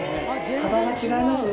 幅が違いますね